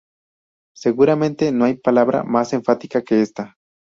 Seguramente, no hay palabra mas enfática que esta.